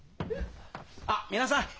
あっ皆さん！